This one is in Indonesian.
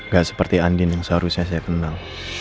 gak seperti andin yang seharusnya saya kenal